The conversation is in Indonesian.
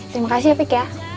terima kasih ya pik ya